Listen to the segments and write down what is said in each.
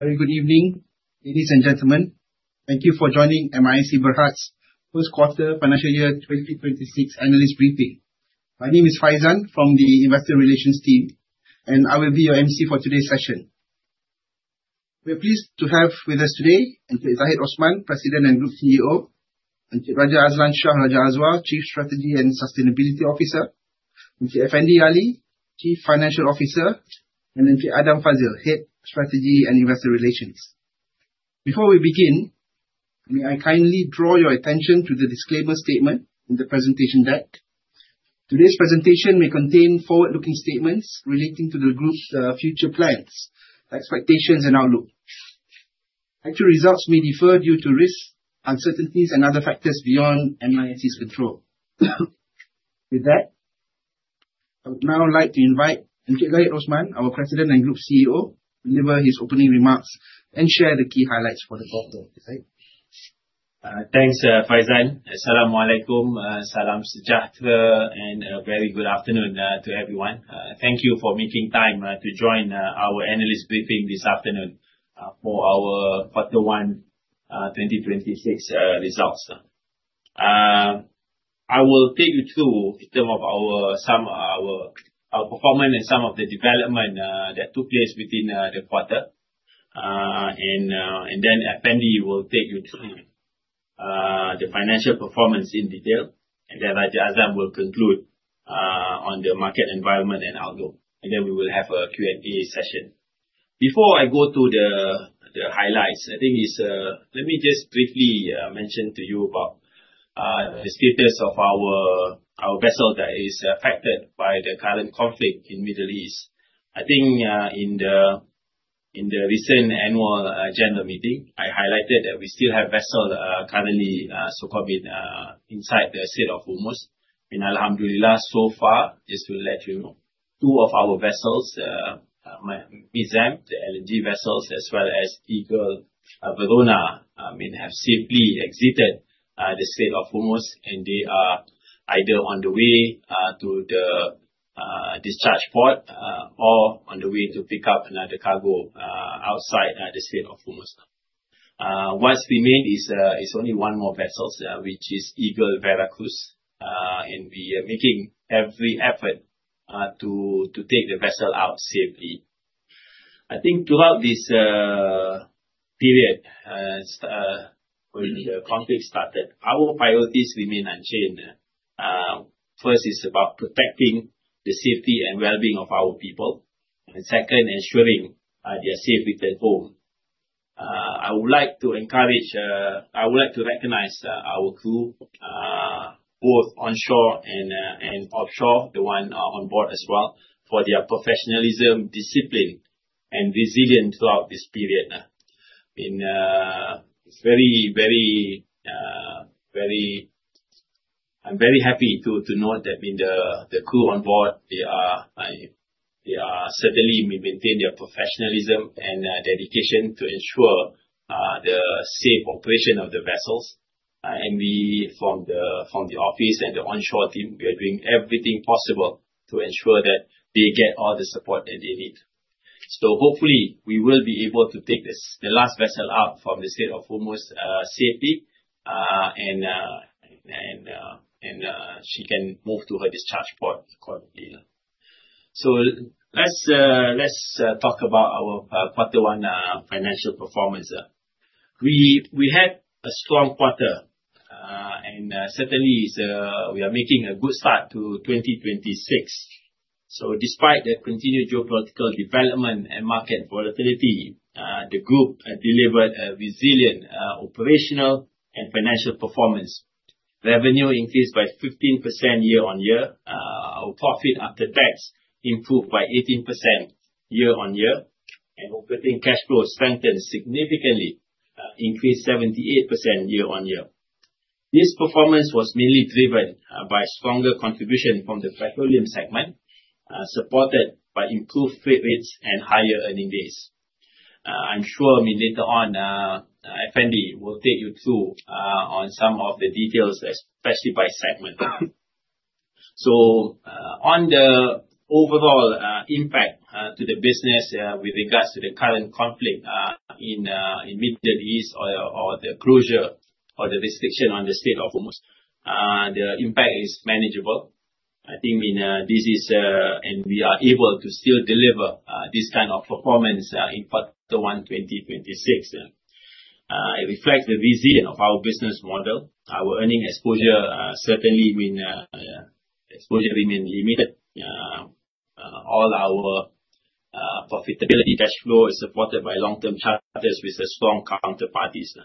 Very good evening, ladies and gentlemen. Thank you for joining MISC Berhad's first quarter financial year 2026 analyst briefing. My name is Faizal from the investor relations team. I will be your MC for today's session. We are pleased to have with us today Encik Zahid Osman, President and Group Chief Executive Officer, Encik Raja Azlan Shah Raja Azwa, Chief Strategy & Sustainability Officer, Encik Afendy Ali, Chief Financial Officer, Encik Adam Fazil, Head Strategy and Investor Relations. Before we begin, may I kindly draw your attention to the disclaimer statement in the presentation deck. Today's presentation may contain forward-looking statements relating to the group's future plans, expectations, and outlook. Actual results may differ due to risks, uncertainties, and other factors beyond MISC's control. With that, I would now like to invite Encik Zahid Osman, our President and Group Chief Executive Officer, to deliver his opening remarks and share the key highlights for the quarter. Zahid? Thanks, Faizal. Assalamualaikum. Salam sejahtera, a very good afternoon to everyone. Thank you for making time to join our analyst briefing this afternoon for our quarter one 2026 results. I will take you through in terms of our performance, some of the development that took place within the quarter. Effendy will take you through the financial performance in detail. Raja Azlan will conclude on the market environment and outlook. We will have a Q&A session. Before I go to the highlights, let me just briefly mention to you about the status of our vessel that is affected by the current conflict in Middle East. I think in the recent annual general meeting, I highlighted that we still have vessels currently inside the Strait of Hormuz. Alhamdulillah, so far, just to let you know, two of our vessels, Seri Mesam, the LNG vessels, as well as Eagle Verona have safely exited the Strait of Hormuz. They are either on the way to the discharge port or on the way to pick up another cargo outside the Strait of Hormuz. What remains is only one more vessel, which is Eagle Veracruz. We are making every effort to take the vessel out safely. I think throughout this period when the conflict started, our priorities remain unchanged. First is about protecting the safety and well-being of our people. Second, ensuring their safe return home. I would like to recognize our crew, both onshore and offshore, the one on board as well, for their professionalism, discipline and resilience throughout this period. I'm very happy to note that the crew on board certainly maintain their professionalism and dedication to ensure the safe operation of the vessels. We from the office and the onshore team, we are doing everything possible to ensure that they get all the support that they need. Hopefully we will be able to take the last vessel out from the Strait of Hormuz safely, and she can move to her discharge port accordingly. Let's talk about our quarter one financial performance. We had a strong quarter, and certainly we are making a good start to 2026. Despite the continued geopolitical development and market volatility, the group delivered a resilient operational and financial performance. Revenue increased by 15% year-on-year. Our profit after tax improved by 18% year-on-year, and operating cash flow strengthened significantly, increased 78% year-on-year. This performance was mainly driven by stronger contribution from the petroleum segment, supported by improved freight rates and higher earning base. I'm sure later on, Afendy will take you through on some of the details, especially by segment. On the overall impact to the business with regards to the current conflict in Middle East or the closure or the restriction on the Strait of Hormuz, the impact is manageable. We are able to still deliver this kind of performance in quarter one 2026. It reflects the resilience of our business model. Our earning exposure certainly remain limited. All our profitability cash flow is supported by long-term charters with strong counterparties.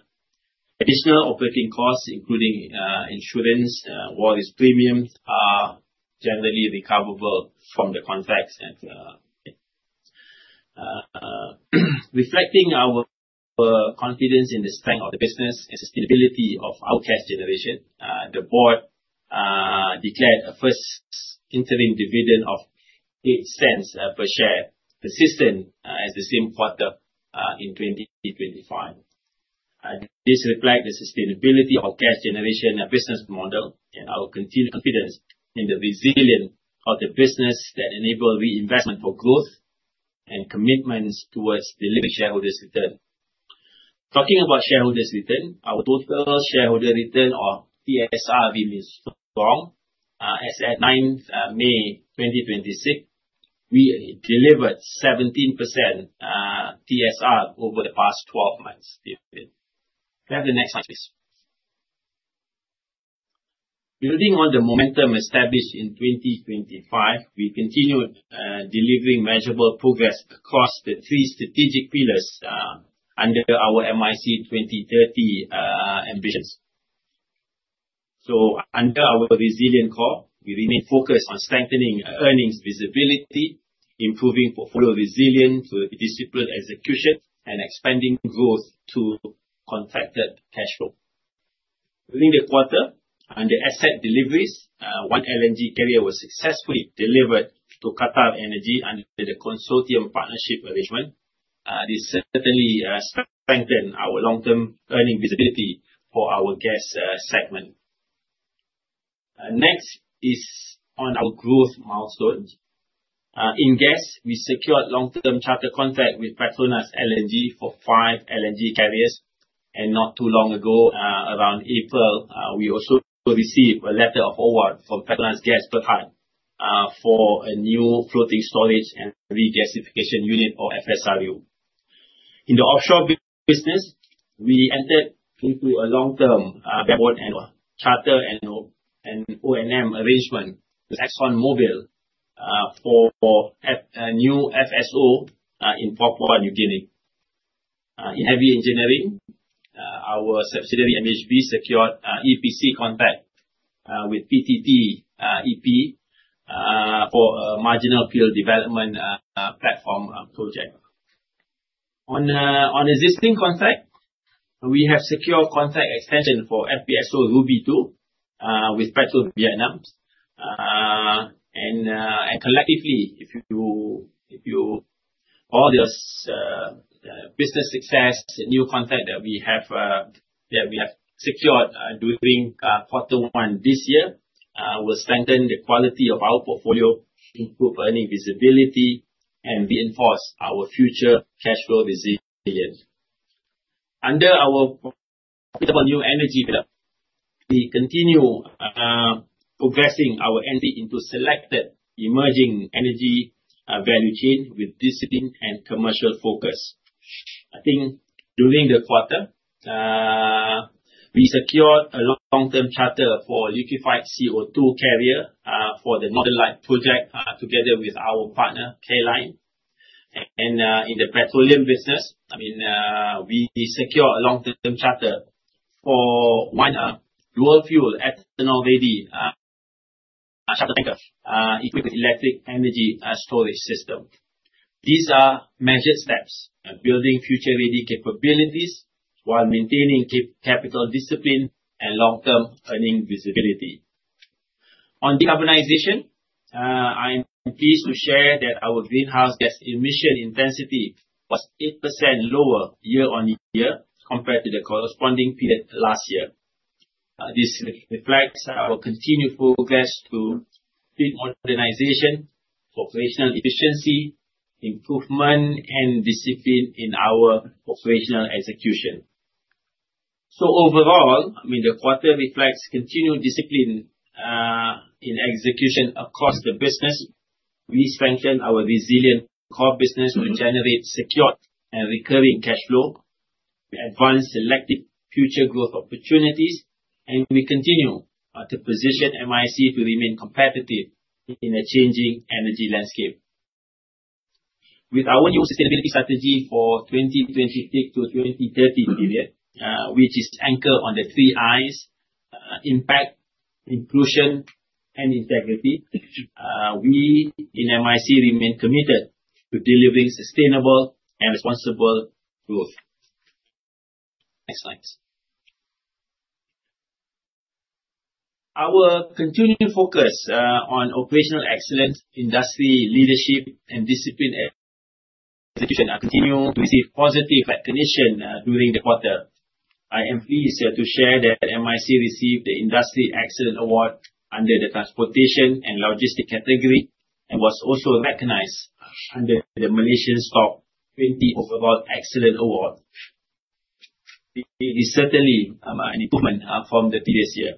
Additional operating costs, including insurance, war risk premiums, are generally recoverable from the contracts. Reflecting our confidence in the strength of the business and sustainability of our cash generation, the board declared a first interim dividend of 0.08 per share, the same as the same quarter in 2025. This reflects the sustainability of our cash generation and business model, and our continued confidence in the resilience of the business that enable reinvestment for growth and commitments towards delivering shareholders' return. Talking about shareholders' return, our total shareholder return or TSR remains strong. As at 9th May 2026, we delivered 17% TSR over the past 12-month period. Can I have the next slide, please? Building on the momentum established in 2025, we continued delivering measurable progress across the three strategic pillars under our MISC 2030 ambitions. Under our resilient core, we remain focused on strengthening earnings visibility, improving portfolio resilience with disciplined execution, and expanding growth to contracted cash flow. During the quarter, under asset deliveries, one LNG carrier was successfully delivered to QatarEnergy under the consortium partnership arrangement. This certainly strengthened our long-term earning visibility for our gas segment. Next is on our growth milestones. In gas, we secured long-term charter contract with PETRONAS LNG for five LNG carriers. Not too long ago, around April, we also received a letter of award from PETRONAS Gas Berhad for a new floating storage and regasification unit or FSRU. In the offshore business, we entered into a long-term bareboat charter and O&M arrangement with ExxonMobil for a new FSO in Papua New Guinea. In heavy engineering, our subsidiary, MHB, secured EPC contract with PTTEP for a marginal field development platform project. Collectively, all this business success, new contract that we have secured during quarter one this year, will strengthen the quality of our portfolio, improve earning visibility and reinforce our future cash flow resilience. Under our renewable new energy pillar, we continue progressing our entry into selected emerging energy value chain with discipline and commercial focus. I think during the quarter, we secured a long-term charter for liquefied CO2 carrier for the Northern Light project together with our partner, K Line. In the petroleum business, we secured a long-term charter for one dual-fuel external-ready charter tanker equipped with electric energy storage system. These are measured steps in building future-ready capabilities while maintaining capital discipline and long-term earning visibility. On decarbonization, I am pleased to share that our greenhouse gas emission intensity was 8% lower year-on-year compared to the corresponding period last year. This reflects our continued progress to fleet modernization, operational efficiency, improvement, and discipline in our operational execution. Overall, the quarter reflects continued discipline in execution across the business. We strengthen our resilient core business to generate secured and recurring cash flow. We advance selected future growth opportunities, and we continue to position MISC to remain competitive in a changing energy landscape. With our new sustainability strategy for 2026 to 2030 period, which is anchored on the three Is, impact, inclusion, and integrity, we in MISC remain committed to delivering sustainable and responsible growth. Next slides. Our continuing focus on operational excellence, industry leadership and discipline execution continue to receive positive recognition during the quarter. I am pleased to share that MISC received the Industry Excellence Award under the transportation and logistics category. Was also recognized under the Malaysian Stock 20 Overall Excellence Award. It is certainly an improvement from the previous year.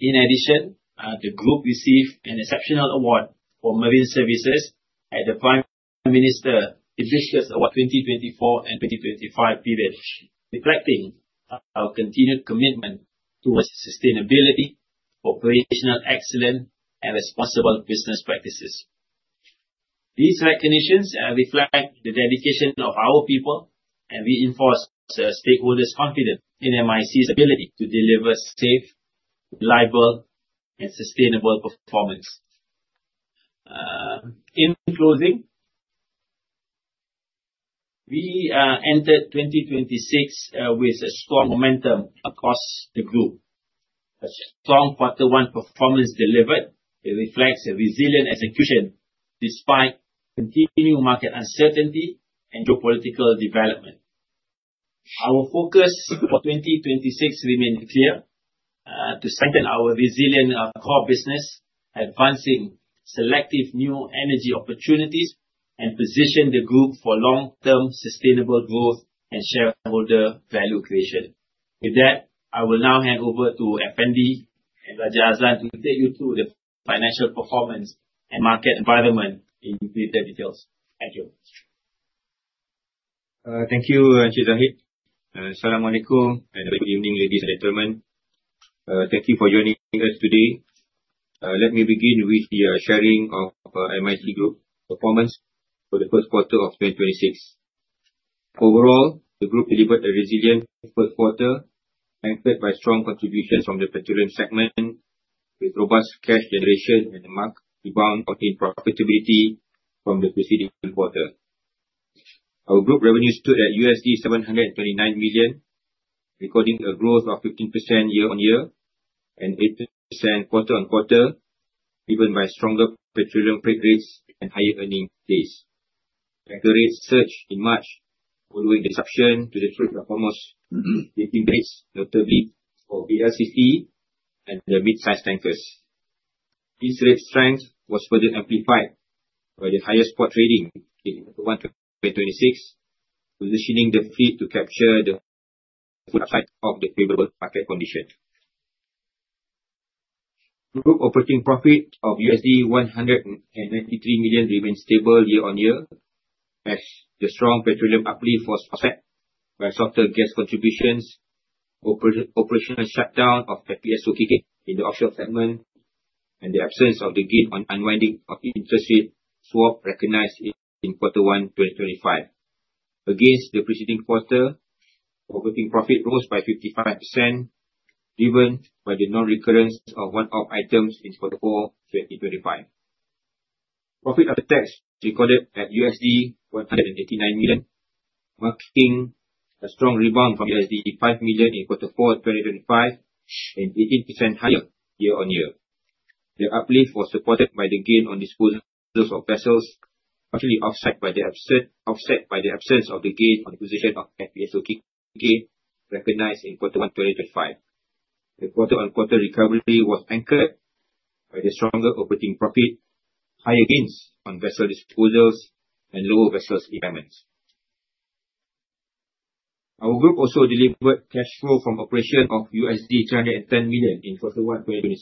In addition, the group received an exceptional award for marine services at the Prime Minister's Hibiscus Award 2024 and 2025 period, reflecting our continued commitment towards sustainability, operational excellence, and responsible business practices. These recognitions reflect the dedication of our people and reinforce stakeholders' confidence in MISC's ability to deliver safe, reliable, and sustainable performance. In closing, we entered 2026 with a strong momentum across the group. A strong quarter one performance delivered that reflects a resilient execution despite continuing market uncertainty and geopolitical development. Our focus for 2026 remains clear, to strengthen our resilient core business, advancing selective new energy opportunities, and position the group for long-term sustainable growth and shareholder value creation. With that, I will now hand over to Afendy bin Ali to take you through the financial performance and market environment in greater details. Thank you. Thank you, Zahid. Asalamu alaykum and good evening, ladies and gentlemen. Thank you for joining us today. Let me begin with the sharing of MISC Group performance for the first quarter of 2026. Overall, the group delivered a resilient first quarter, anchored by strong contributions from the petroleum segment, with robust cash generation and a marked rebound in profitability from the preceding quarter. Our group revenue stood at $729 million, recording a growth of 15% year-on-year and 18% quarter-on-quarter, driven by stronger petroleum freight rates and higher earnings. Tanker rates surged in March following the disruption to the fleet of the foremost leasing base, notably for VLCC and the midsize tankers. These rate strengths was further amplified by the higher spot trading in 2026, positioning the fleet to capture the upside of the favorable market condition. Group operating profit of $193 million remains stable year-on-year, as the strong petroleum uplift was offset by softer gas contributions, operational shutdown of FPSO Kikeh in the offshore segment, and the absence of the gain on unwinding of interest rate swap recognized in quarter one 2025. Against the preceding quarter, operating profit rose by 55%, driven by the non-recurrence of one-off items in quarter four 2025. Profit after tax recorded at $189 million, marking a strong rebound from $5 million in quarter four 2025 and 18% higher year-on-year. The uplift was supported by the gain on disposals of vessels, partially offset by the absence of the gain on the acquisition of FPSO Kikeh recognized in quarter one 2025. The quarter-on-quarter recovery was anchored by the stronger operating profit, higher gains on vessel disposals and lower vessels impairments. Our group also delivered cash flow from operation of $310 million in quarter one 2026,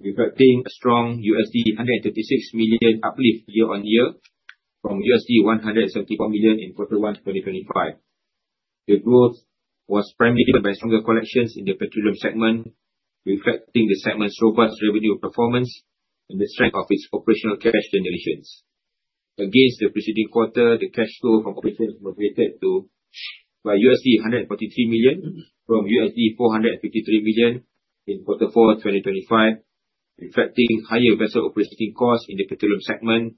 reflecting a strong $136 million uplift year-on-year from $174 million in quarter one 2025. The growth was primarily driven by stronger collections in the petroleum segment, reflecting the segment's robust revenue performance and the strength of its operational cash generations. Against the preceding quarter, the cash flow from operations moderated by $143 million from $453 million in quarter four 2025, reflecting higher vessel operating costs in the petroleum segment,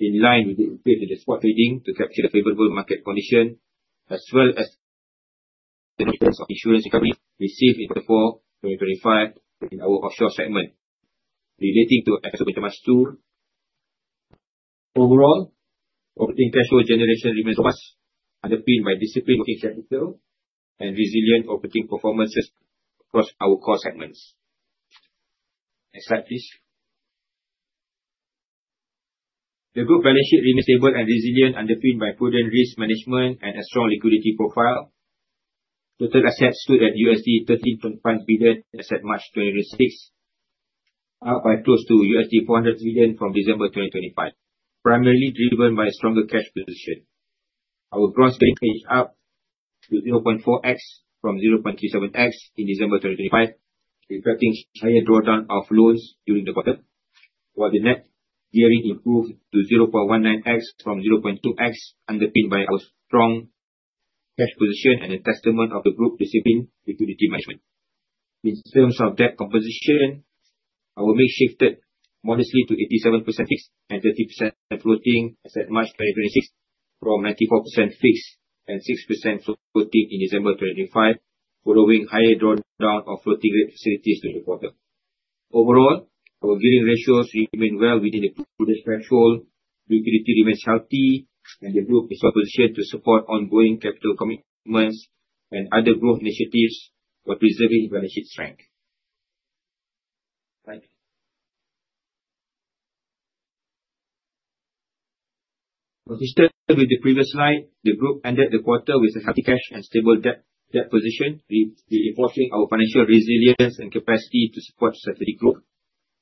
in line with the increase in the spot trading to capture the favorable market condition, as well as the absence of insurance recovery received in quarter four 2025 in our offshore segment relating to FPSO Petamas 2. Overall, operating cash flow generation remains robust, underpinned by disciplined working capital and resilient operating performances across our core segments. Next slide, please. The group balance sheet remains stable and resilient, underpinned by prudent risk management and a strong liquidity profile. Total assets stood at $13.5 billion as at March 2026, up by close to $400 million from December 2025, primarily driven by a stronger cash position. Our gross debt remains up to 0.4x from 0.37x in December 2025, reflecting higher drawdown of loans during the quarter. While the net gearing improved to 0.19x from 0.2x, underpinned by our strong cash position and a testament of the group disciplined liquidity management. In terms of debt composition, our mix shifted modestly to 87% fixed and 13% floating as at March 2026, from 94% fixed and 6% floating in December 2025, following higher drawdown of floating rate facilities during the quarter. Overall, our gearing ratios remain well within the group's threshold. Liquidity remains healthy, and the group is well-positioned to support ongoing capital commitments and other growth initiatives while preserving balance sheet strength. Thank you. Consistent with the previous slide, the group ended the quarter with a healthy cash and stable debt position, reinforcing our financial resilience and capacity to support strategic growth.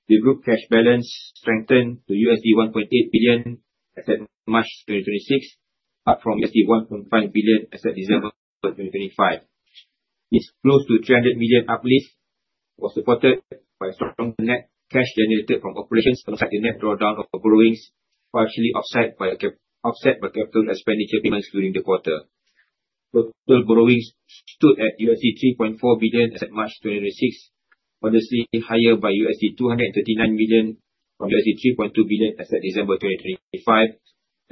The group cash balance strengthened to $1.8 billion as at March 2026, up from $1.5 billion as at December 2025. This close to $300 million uplift was supported by strong net cash generated from operations alongside the net drawdown of borrowings, partially offset by capital expenditure payments during the quarter. Total borrowings stood at $3.4 billion as at March 2026, modestly higher by $239 million from $3.2 billion as at December 2025.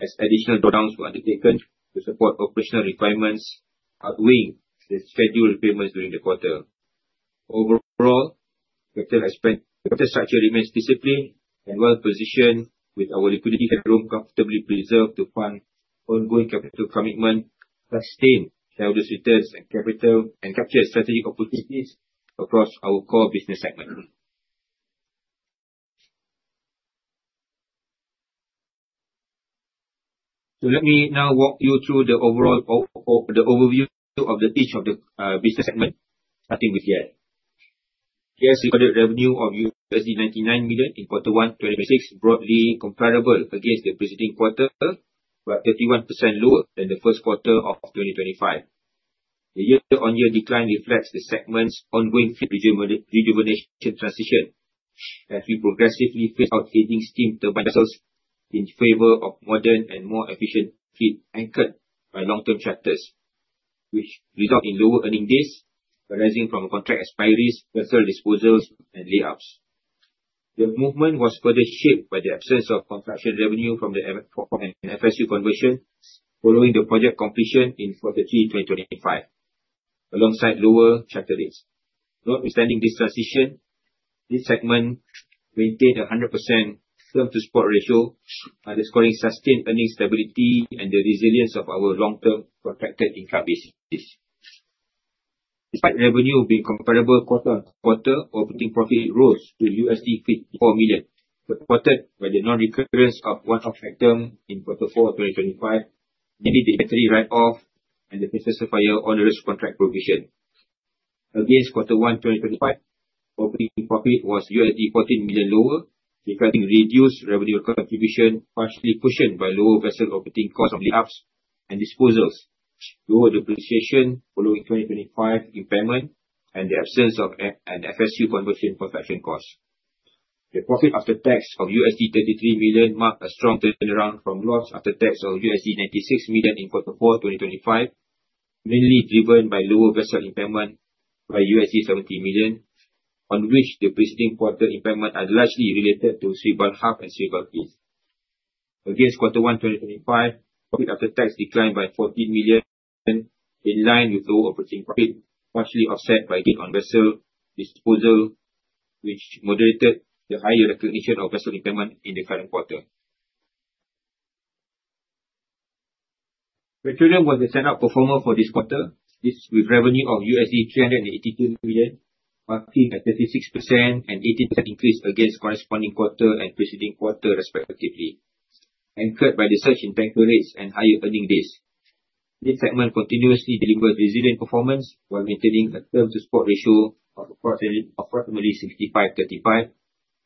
As additional drawdowns were undertaken to support operational requirements, outweighing the scheduled repayments during the quarter. Overall, capital structure remains disciplined and well-positioned, with our liquidity headroom comfortably preserved to fund ongoing capital commitment, sustain generous returns and capital, and capture strategic opportunities across our core business segments. Let me now walk you through the overview of each of the business segments, starting with Gas. Gas recorded revenue of $99 million in quarter one 2026, broadly comparable against the preceding quarter, but 31% lower than the first quarter of 2025. The year-on-year decline reflects the segment's ongoing fleet rejuvenation transition, as we progressively phase out aging steam turbine vessels in favor of modern and more efficient fleet anchored by long-term charters, which result in lower earning days arising from contract expiries, vessel disposals, and layups. The movement was further shaped by the absence of construction revenue from the FSU conversion following the project completion in quarter three 2025, alongside lower charter rates. Notwithstanding this transition, this segment maintained 100% term to spot ratio, underscoring sustained earnings stability and the resilience of our long-term contracted income base. Despite revenue being comparable quarter on quarter, operating profit rose to $54 million, supported by the non-recurrence of one-off items in quarter four 2025, mainly the inventory write-off and the vessel supplier onerous contract provision. Against quarter one 2025, operating profit was $14 million lower, reflecting reduced revenue contribution, partially cushioned by lower vessel operating costs of layups and disposals, lower depreciation following 2025 impairment, and the absence of an FSU conversion construction cost. The profit after tax of $33 million marked a strong turnaround from loss after tax of $96 million in quarter four 2025, mainly driven by lower vessel impairment by $70 million, on which the preceding quarter impairment are largely related to Sewell Hub and Sewell East. Against quarter one 2025, profit after tax declined by $14 million, in line with lower operating profit, partially offset by gain on vessel disposal, which moderated the higher recognition of vessel impairment in the current quarter. Petroleum was the standout performer for this quarter, with revenue of $382 million, up by 36% and 18% increase against corresponding quarter and preceding quarter respectively, anchored by the surge in tanker rates and higher earning days. This segment continuously delivers resilient performance while maintaining a term to spot ratio of approximately 65/35,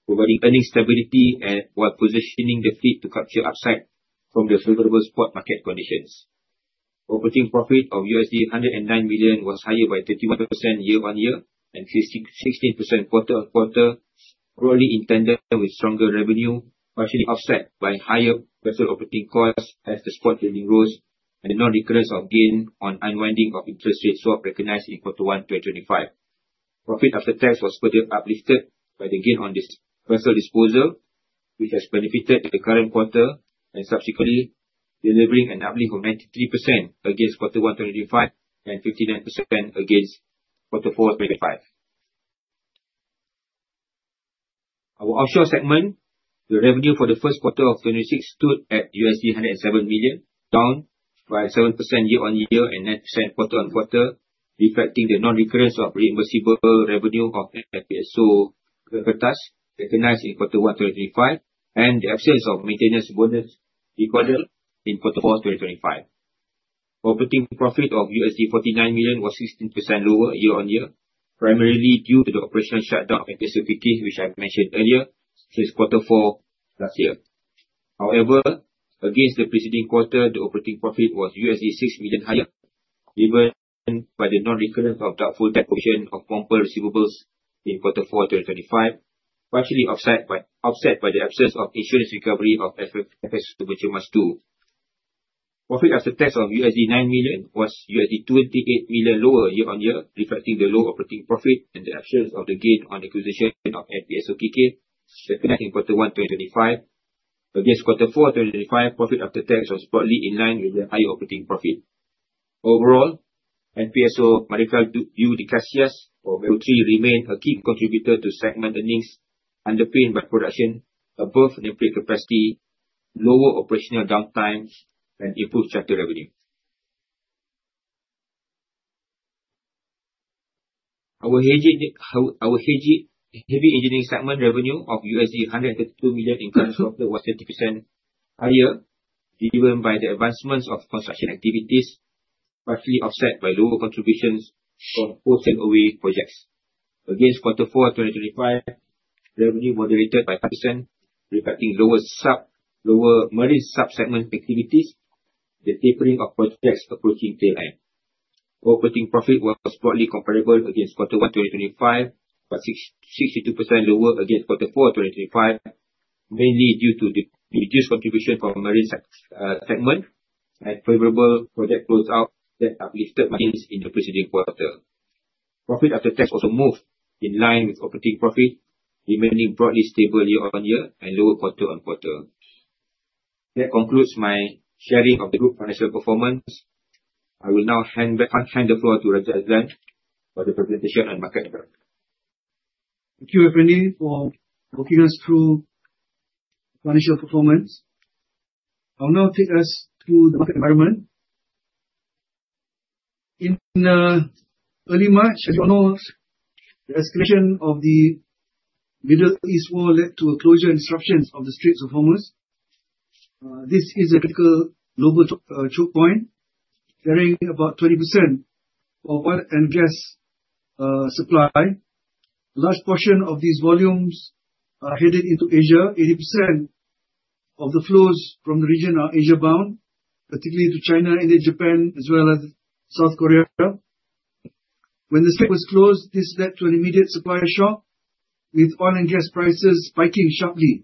providing earning stability and while positioning the fleet to capture upside from the favorable spot market conditions. Operating profit of USD 109 million was higher by 31% year-on-year and 16% quarter-on-quarter, broadly in tandem with stronger revenue, partially offset by higher vessel operating costs as the spot earnings rose and the non-recurrence of gain on unwinding of interest rate swap recognized in quarter one 2025. Profit after tax was further uplifted by the gain on this vessel disposal, which has benefited the current quarter and subsequently delivering an uplift of 93% against quarter one 2025 and 59% against quarter four 2025. Our offshore segment, the revenue for the first quarter of 2026 stood at USD 107 million, down by 7% year-on-year and 9% quarter-on-quarter, reflecting the non-recurrence of reimbursable revenue of FPSO Kalita recognized in quarter one 2025 and the absence of maintenance bonus recorded in quarter four 2025. Operating profit of USD 49 million was 16% lower year-on-year, primarily due to the operational shutdown of FPSO Kikeh, which I mentioned earlier since quarter four last year. However, against the preceding quarter, the operating profit was USD 6 million higher, driven by the non-recurrence of doubtful debt provision of Bombora receivables in quarter four 2025, partially offset by the absence of insurance recovery of FPSO Petamas 2. Profit after tax of USD 9 million was USD 28 million lower year-on-year, reflecting the low operating profit and the absence of the gain on acquisition of FPSO Kikeh recognized in quarter one 2025. Against quarter four 2025, profit after tax was broadly in line with the higher operating profit. Overall, FPSO Marechal Duque de Caxias or MDC remain a key contributor to segment earnings underpinned by production above nameplate capacity, lower operational downtimes, and improved charter revenue. Our heavy engineering segment revenue of USD 132 million in current quarter was 30% higher, driven by the advancements of construction activities, partially offset by lower contributions from full take away projects. Against quarter four 2025, revenue moderated by 5%, reflecting lower marine sub-segment activities, the tapering of projects approaching tail end. Operating profit was broadly comparable against quarter one 2025, but 62% lower against quarter four 2025, mainly due to the reduced contribution from marine segment and favorable project closeouts that uplifted margins in the preceding quarter. Profit after tax also moved in line with operating profit, remaining broadly stable year-over-year and lower quarter-on-quarter. That concludes my sharing of the group financial performance. I will now hand the floor to Raja Azlan for the presentation on market development. Thank you, Effendy, for walking us through financial performance. I will now take us through the market environment. In early March, as you know, the escalation of the Middle East war led to a closure and disruptions of the Strait of Hormuz. This is a critical global choke point, carrying about 20% of oil and gas supply. Large portion of these volumes are headed into Asia. 80% of the flows from the region are Asia-bound, particularly to China and Japan, as well as South Korea. When the strait was closed, this led to an immediate supply shock, with oil and gas prices spiking sharply.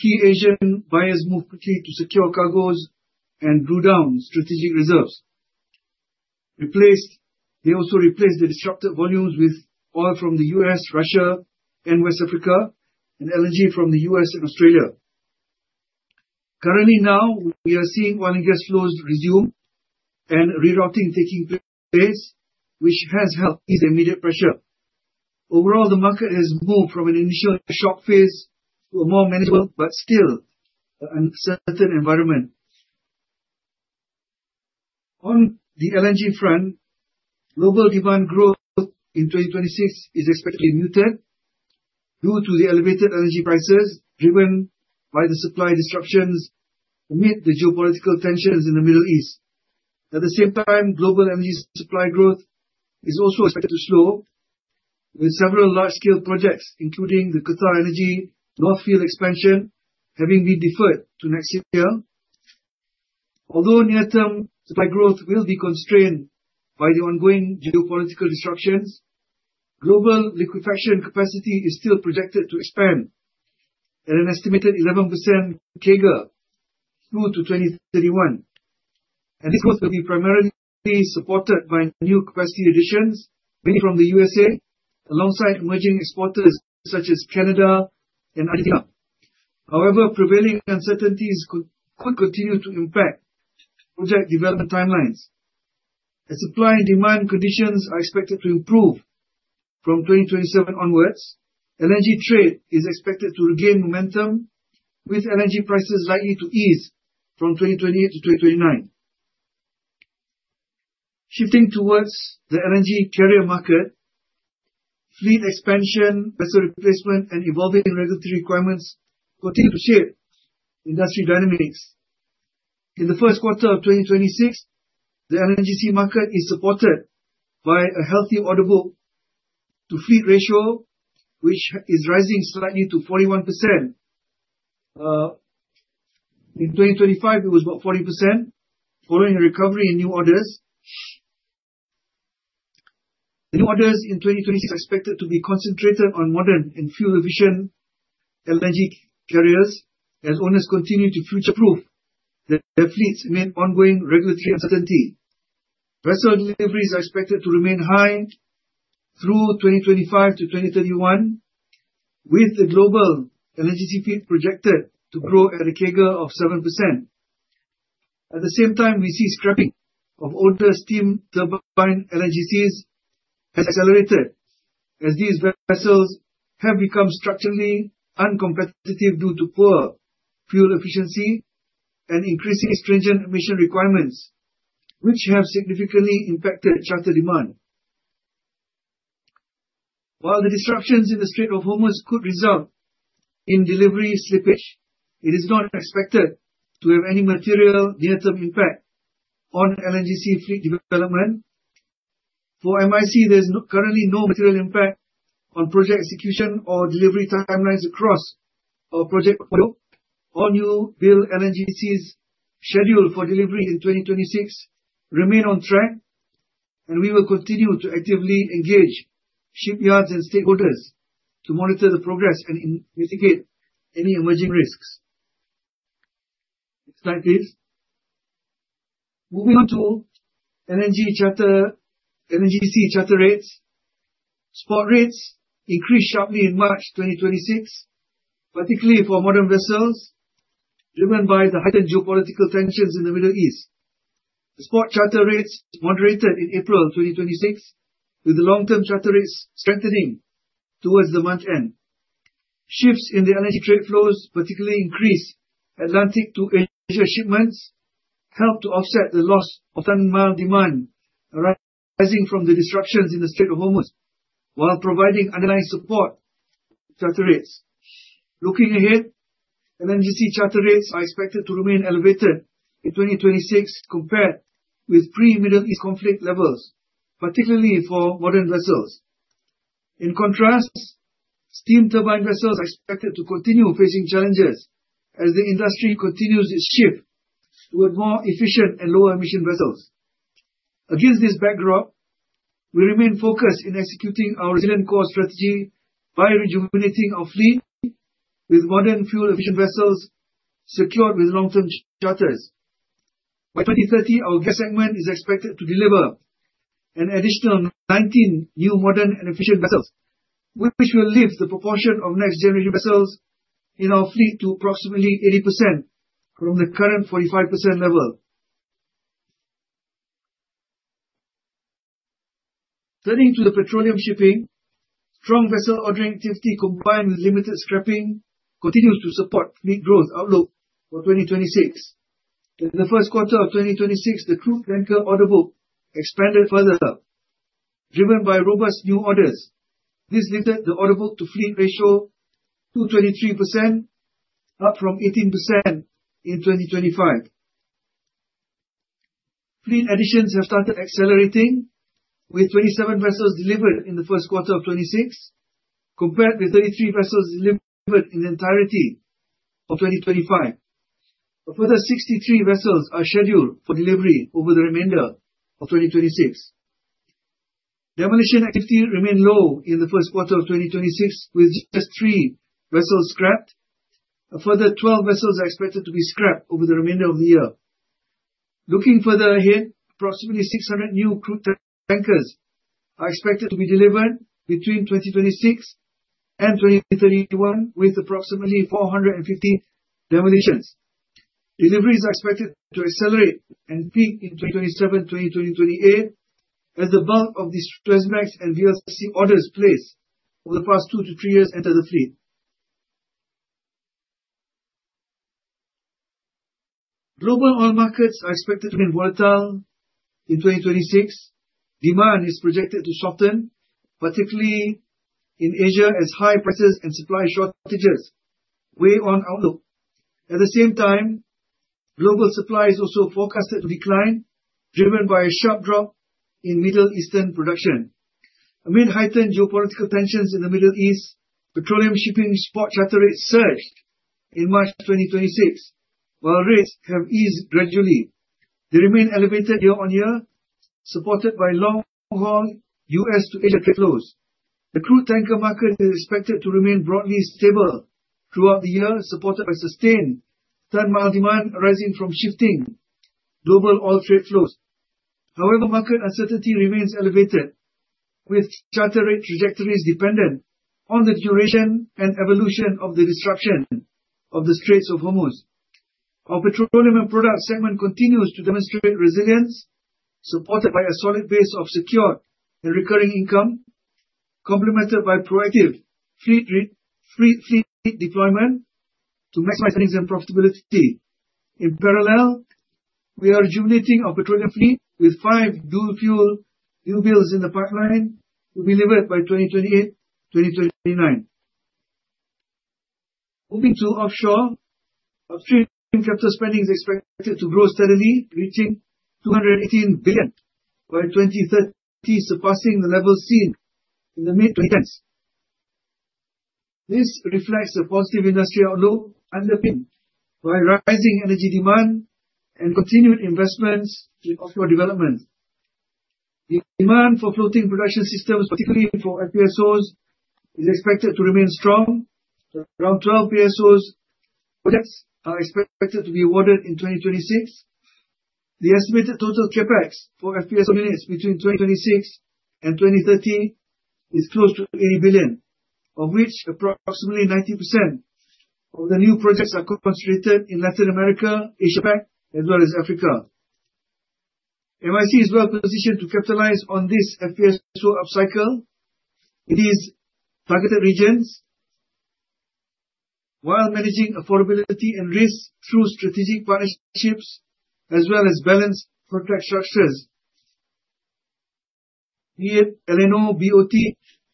Key Asian buyers moved quickly to secure cargoes and drew down strategic reserves. They also replaced the disrupted volumes with oil from the U.S., Russia, and West Africa, and LNG from the U.S. and Australia. Currently, now, we are seeing oil and gas flows resume and rerouting taking place, which has helped ease immediate pressure. Overall, the market has moved from an initial shock phase to a more manageable, but still uncertain environment. On the LNG front, global demand growth in 2026 is expected to be muted due to the elevated energy prices driven by the supply disruptions amid the geopolitical tensions in the Middle East. At the same time, global LNG supply growth is also expected to slow, with several large-scale projects, including the QatarEnergy North Field expansion, having been deferred to next year. Although near-term supply growth will be constrained by the ongoing geopolitical disruptions, global liquefaction capacity is still projected to expand at an estimated 11% CAGR through to 2031. This is going to be primarily supported by new capacity additions, mainly from the USA, alongside emerging exporters such as Canada and India. However, prevailing uncertainties could continue to impact project development timelines. As supply and demand conditions are expected to improve from 2027 onwards, LNG trade is expected to regain momentum, with LNG prices likely to ease from 2028 to 2029. Shifting towards the LNG carrier market, fleet expansion, vessel replacement, and evolving regulatory requirements continue to shape industry dynamics. In the first quarter of 2026, the LNGC market is supported by a healthy order book to fleet ratio, which is rising slightly to 41%. In 2025, it was about 40%, following a recovery in new orders. New orders in 2026 are expected to be concentrated on modern and fuel-efficient LNG carriers as owners continue to future-proof their fleets amid ongoing regulatory uncertainty. Vessel deliveries are expected to remain high through 2025 to 2031, with the global LNG fleet projected to grow at a CAGR of 7%. At the same time, we see scrapping of older steam turbine LNGCs has accelerated as these vessels have become structurally uncompetitive due to poor fuel efficiency and increasingly stringent emission requirements, which have significantly impacted charter demand. While the disruptions in the Strait of Hormuz could result in delivery slippage, it is not expected to have any material near-term impact on LNGC fleet development. For MISC, there is currently no material impact on project execution or delivery timelines across our project portfolio. All new-build LNGCs scheduled for delivery in 2026 remain on track, and we will continue to actively engage shipyards and stakeholders to monitor the progress and mitigate any emerging risks. Next slide, please. Moving on to LNG charter, LNGC charter rates. Spot rates increased sharply in March 2026, particularly for modern vessels, driven by the heightened geopolitical tensions in the Middle East. The spot charter rates moderated in April 2026, with the long-term charter rates strengthening towards the month end. Shifts in the LNG trade flows, particularly increased Atlantic to Asia shipments, helped to offset the loss of ton-mile demand arising from the disruptions in the Strait of Hormuz, while providing underlying support to charter rates. Looking ahead, LNGC charter rates are expected to remain elevated in 2026 compared with pre-Middle East conflict levels, particularly for modern vessels. In contrast, steam turbine vessels are expected to continue facing challenges as the industry continues its shift toward more efficient and lower emission vessels. Against this backdrop, we remain focused in executing our resilient core strategy by rejuvenating our fleet with modern fuel efficient vessels secured with long-term charters. By 2030, our gas segment is expected to deliver an additional 19 new modern and efficient vessels, which will lift the proportion of next-generation vessels in our fleet to approximately 80% from the current 45% level. Turning to the petroleum shipping, strong vessel ordering activity combined with limited scrapping continues to support fleet growth outlook for 2026. In the first quarter of 2026, the crude tanker order book expanded further, driven by robust new orders. This lifted the order book to fleet ratio to 23%, up from 18% in 2025. Fleet additions have started accelerating, with 27 vessels delivered in the first quarter of 2026, compared to 33 vessels delivered in entirety of 2025. A further 63 vessels are scheduled for delivery over the remainder of 2026. Demolition activity remained low in the first quarter of 2026, with just three vessels scrapped. A further 12 vessels are expected to be scrapped over the remainder of the year. Looking further ahead, approximately 600 new crude tankers are expected to be delivered between 2026 and 2031, with approximately 450 demolitions. Delivery is expected to accelerate and peak in 2027, 2028, as the bulk of these Aframax and VLCC orders placed over the past two to three years enter the fleet. Global oil markets are expected to remain volatile in 2026. Demand is projected to soften, particularly in Asia, as high prices and supply shortages weigh on outlook. At the same time, global supply is also forecasted to decline, driven by a sharp drop in Middle Eastern production. Amid heightened geopolitical tensions in the Middle East, petroleum shipping spot charter rates surged in March 2026. While rates have eased gradually, they remain elevated year-on-year, supported by long-haul U.S. to Asia trade flows. The crude tanker market is expected to remain broadly stable throughout the year, supported by sustained ton-mile demand arising from shifting global oil trade flows. However, market uncertainty remains elevated, with charter rate trajectories dependent on the duration and evolution of the disruption of the Straits of Hormuz. Our petroleum and product segment continues to demonstrate resilience, supported by a solid base of secure and recurring income, complemented by proactive fleet deployment to maximize earnings and profitability. In parallel, we are rejuvenating our petroleum fleet with five dual-fuel newbuilds in the pipeline to be delivered by 2028, 2029. Moving to offshore. Upstream capital spending is expected to grow steadily, reaching 218 billion by 2030, surpassing the levels seen in the mid-2010s. This reflects the positive industry outlook underpinned by rising energy demand and continued investments in offshore development. The demand for floating production systems, particularly for FPSOs, is expected to remain strong. Around 12 FPSOs projects are expected to be awarded in 2026. The estimated total CapEx for FPSOs awarded between 2026 and 2030 is close to 80 billion, of which approximately 90% of the new projects are concentrated in Latin America, Asia-Pac, as well as Africa. MISC is well positioned to capitalize on this FPSO upcycle in these targeted regions while managing affordability and risk through strategic partnerships as well as balanced contract structures, be it LOI, BOT,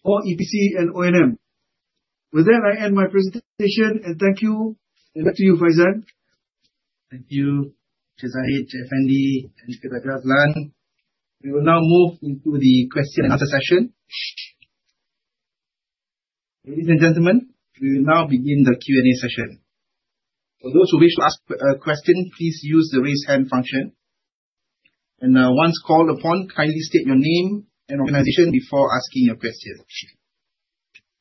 or EPC and O&M. With that, I end my presentation and thank you. Back to you, Faizal. Thank you, Zahid, Effendy, and Captain Azlan. We will now move into the question and answer session. Ladies and gentlemen, we will now begin the Q&A session. For those who wish to ask a question, please use the raise hand function. Once called upon, kindly state your name and organization before asking your question.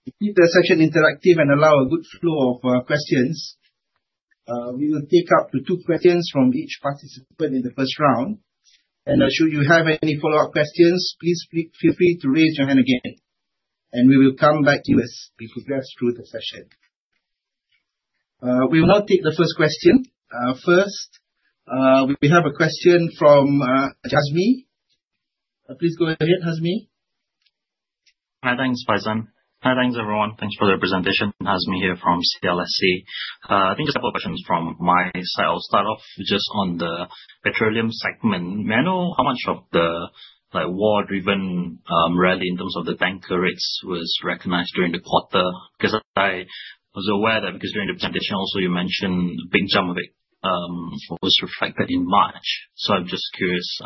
To keep the session interactive and allow a good flow of questions, we will take up to two questions from each participant in the first round. Should you have any follow-up questions, please feel free to raise your hand again and we will come back to you as we progress through the session. We will now take the first question. First, we have a question from Jasmi. Please go ahead, Jasmi. Hi. Thanks, Faizal. Hi. Thanks, everyone. Thanks for the presentation. Jasmi here from CLSA. I think just a couple of questions from my side. I'll start off just on the petroleum segment. May I know how much of the war-driven rally in terms of the tanker rates was recognized during the quarter? Because I was aware that during the presentation also, you mentioned a big jump of it was reflected in March. I'm just curious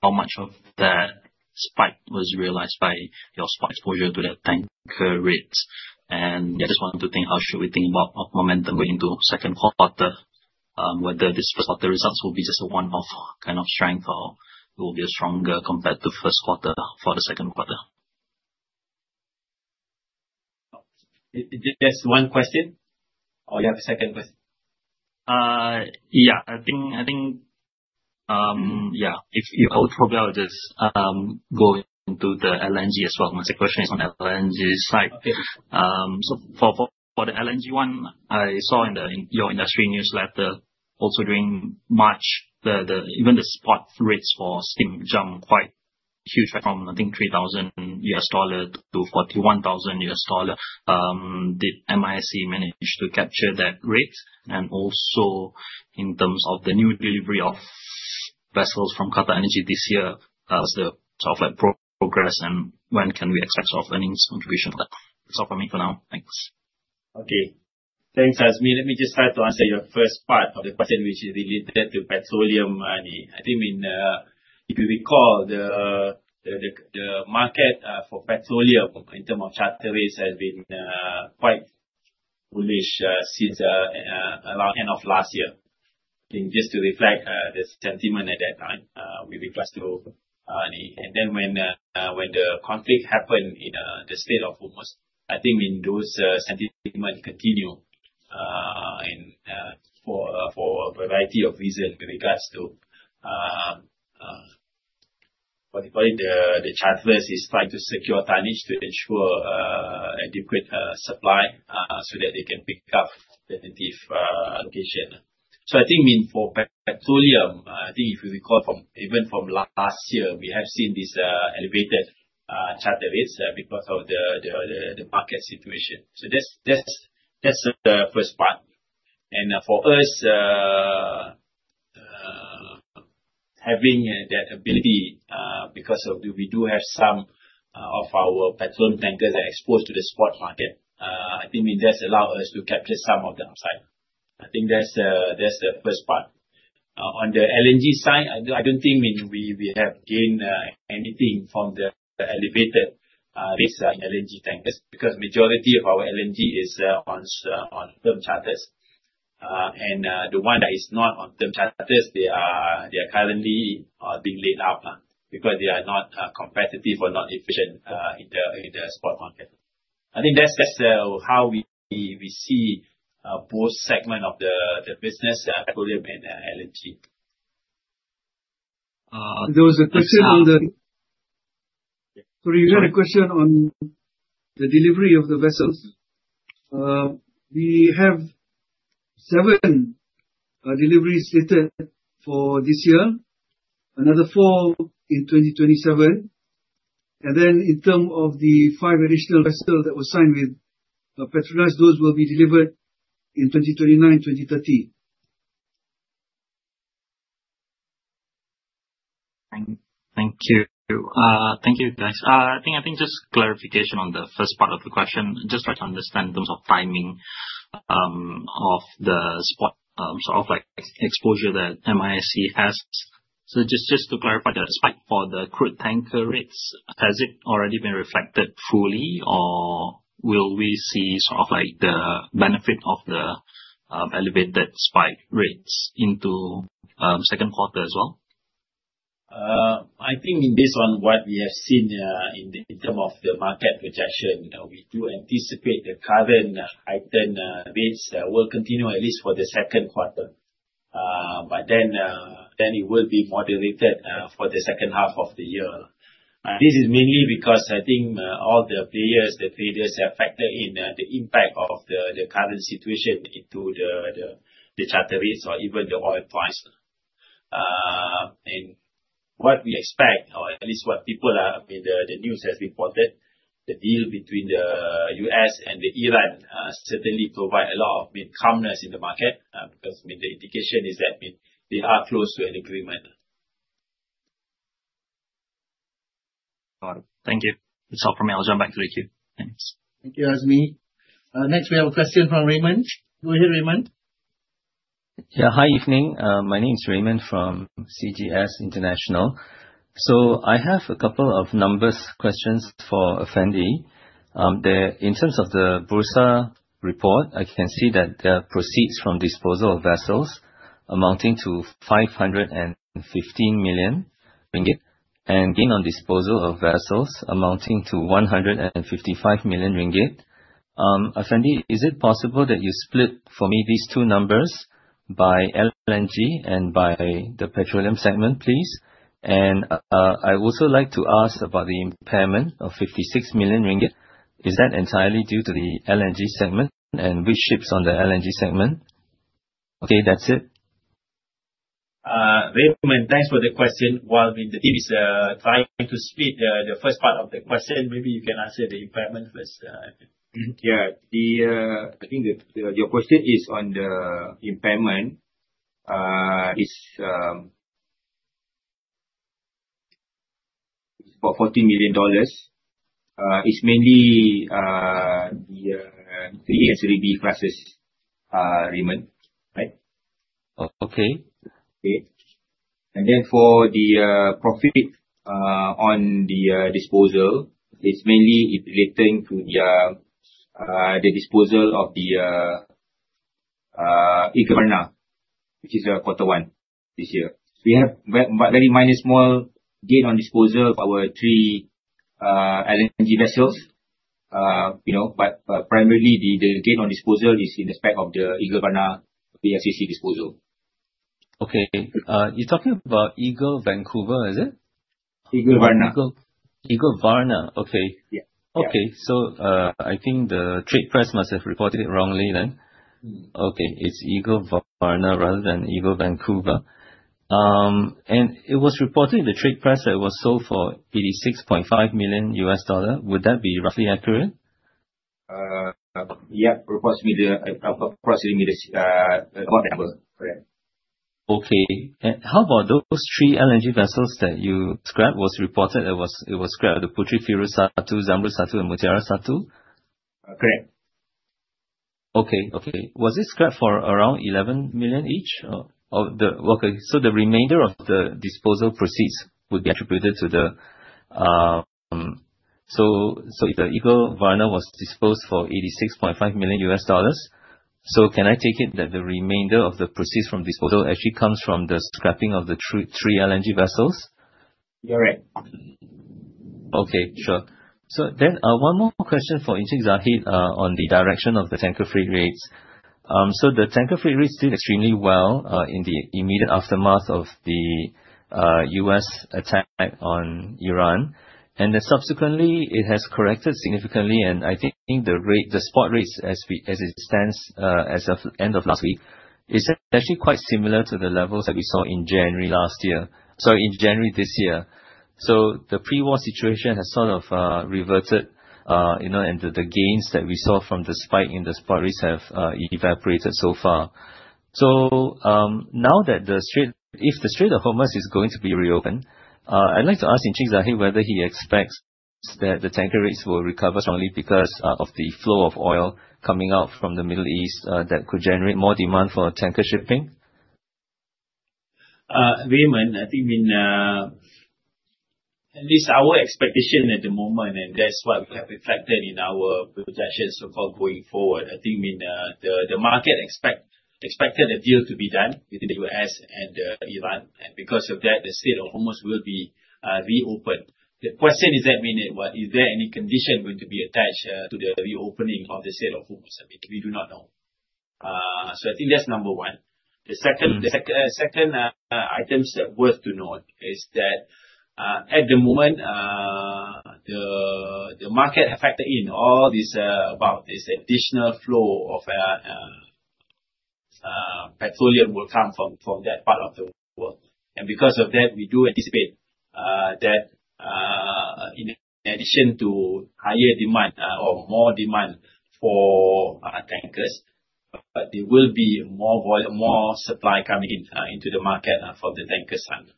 how much of that spike was realized by your spot exposure to that tanker rates. Yeah, just wanted to think how should we think about momentum going into second quarter, whether this first quarter results will be just a one-off kind of strength or will be stronger compared to first quarter for the second quarter? Just one question, or you have a second question? Yeah. I think probably I'll just go into the LNG as well. My second question is on the LNG side. Okay. For the LNG one, I saw in your industry newsletter also during March, even the spot rates for steam jumped quite huge from, I think, $3,000 to $41,000. Did MISC manage to capture that rate? Also in terms of the new delivery of vessels from QatarEnergy this year, how's the progress and when can we expect earnings contribution for that? That's all from me for now. Thanks. Okay. Thanks, Azmi. Let me just try to answer your first part of the question, which is related to petroleum. I think if you recall, the market for petroleum in terms of charter rates has been quite bullish since around the end of last year. Just to reflect the sentiment at that time, with regards to it. When the conflict happened in the Strait of Hormuz, I think those sentiments continued for a variety of reasons with regards to what they call it, the charterers is trying to secure tonnage to ensure adequate supply so that they can pick up alternative locations. For petroleum, I think if you recall from even from last year, we have seen this elevated charter rates because of the market situation. That's the first part. For us, having that ability because we do have some of our petroleum tankers are exposed to the spot market. I think that's allowed us to capture some of the upside. I think that's the first part. On the LNG side, I don't think we have gained anything from the elevated rates on LNG tankers, because majority of our LNG is on firm charters. The one that is not on term charters, they are currently being laid up because they are not competitive or not efficient in the spot market. I think that's how we see both segments of the business, petroleum and LNG. There was a question on the delivery of the vessels. We have seven deliveries slated for this year, another four in 2027. In terms of the five additional vessels that were signed with PETRONAS, those will be delivered in 2029, 2030. Thank you. Thank you, guys. Just clarification on the first part of the question, just like to understand in terms of timing of the spot sort of exposure that MISC has. Just to clarify that, spike for the crude tanker rates, has it already been reflected fully or will we see sort of like the benefit of the elevated spike rates into second quarter as well? Based on what we have seen in term of the market projection, we do anticipate the current heightened rates will continue at least for the second quarter. It will be moderated for the second half of the year. This is mainly because all the players, the traders, have factored in the impact of the current situation into the charter rates or even the oil price. What we expect, or at least what the news has reported, the deal between the U.S. and Iran certainly provide a lot of calmness in the market because the indication is that they are close to an agreement. Got it. Thank you. That's all from me. I'll join back to the queue. Thanks. Thank you, Azmi. Next we have a question from Raymond. Go ahead, Raymond. Hi, evening. My name is Raymond from CGS International. I have a couple of numbers questions for Effendy. In terms of the Bursa report, I can see that there are proceeds from disposal of vessels amounting to 515 million ringgit, and gain on disposal of vessels amounting to 155 million ringgit. Effendy, is it possible that you split for me these two numbers by LNG and by the petroleum segment, please? I also like to ask about the impairment of 56 million ringgit. Is that entirely due to the LNG segment and which ships on the LNG segment? That's it. Raymond, thanks for the question. While the team is trying to split the first part of the question, maybe you can answer the impairment first. I think your question is on the impairment. It's about MYR 40 million. It's mainly the SLB classes, Raymond. Right? Okay. For the profit on the disposal, it's mainly relating to the disposal of the- Eagle Varna, which is in quarter one this year. We have very minor small gain on disposal of our three LNG vessels. Primarily the gain on disposal is in respect of the Eagle Varna PSAC disposal. Okay. You're talking about Eagle Vancouver, is it? Eagle Varna. Eagle Varna. Okay. Yeah. Okay. I think the trade press must have reported it wrongly then. Okay. It is Eagle Varna rather than Eagle Vancouver. It was reported in the trade press that it was sold for $86.5 million. Would that be roughly accurate? Yeah. Approximately the quote number. Correct. Okay. How about those three LNG vessels that you scrapped? Was reported it was scrapped, the Puteri Firus Satu, Puteri Zamrud Satu, and Puteri Mutiara Satu? Correct. Was it scrapped for around 11 million each? If the Eagle Varna was disposed for $86.5 million, can I take it that the remainder of the proceeds from disposal actually comes from the scrapping of the three LNG vessels? Correct. Okay, sure. One more question for Encik Zahid on the direction of the tanker freight rates. The tanker freight rates did extremely well in the immediate aftermath of the U.S. attack on Iran, then subsequently it has corrected significantly. I think the spot rates as it stands as of end of last week is actually quite similar to the levels that we saw in January this year. The pre-war situation has sort of reverted, and the gains that we saw from the spike in the spot rates have evaporated so far. Now if the Strait of Hormuz is going to be reopened, I'd like to ask Encik Zahid whether he expects that the tanker rates will recover strongly because of the flow of oil coming out from the Middle East that could generate more demand for tanker shipping. Raymond, at least our expectation at the moment, and that's what we have reflected in our projections so far going forward. I think the market expected a deal to be done between the U.S. and Iran, and because of that the Strait of Hormuz will be reopened. The question is that, is there any condition going to be attached to the reopening of the Strait of Hormuz? We do not know. I think that's number one. The second item worth to note is that, at the moment, the market have factored in all this about this additional flow of petroleum will come from that part of the world. Because of that, we do anticipate that in addition to higher demand or more demand for tankers, there will be more supply coming into the market from the tanker side.